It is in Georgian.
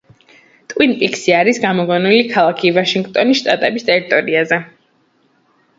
ტვინ პიქსი არის გამოგონილი ქალაქი ვაშინგტონის შტატის ტერიტორიაზე.